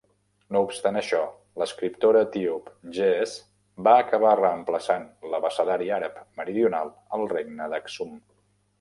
No obstant això, l'escriptura etíop Ge'ez va acabar reemplaçant l'abecedari àrab meridional al Regne d'Aksum.